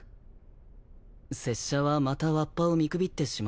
拙者はまたわっぱを見くびってしまったでござるか。